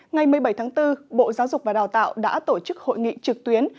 ngày một mươi bảy tháng bốn bộ giáo dục và đào tạo đã tổ chức hội nghị trực tuyến